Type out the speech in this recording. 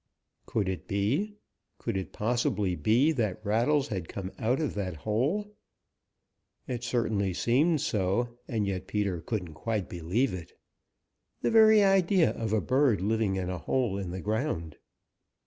Could it be, could it possibly be that Rattles had come out of that hole? It certainly seemed so, and yet Peter couldn't quite believe it. The very idea of a bird living in a hole in the ground!